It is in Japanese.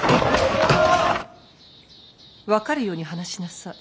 分かるように話しなさい。